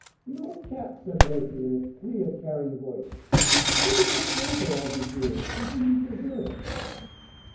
"The old cat!" said Leslie in a clear, carrying voice. "Why did you thank her, Auntie Jewel? She didn't deserve it."